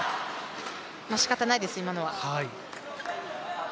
しかたないです、今のは。